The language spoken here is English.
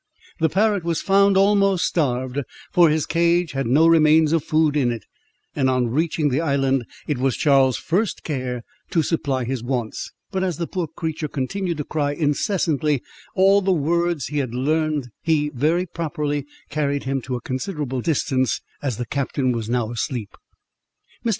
The parrot was found almost starved, for his cage had no remains of food in it; and on reaching the island, it was Charles's first care to supply his wants; but as the poor creature continued to cry incessantly all the words he had learnt, he, very properly, carried him to a considerable distance, as the captain was now asleep. Mr.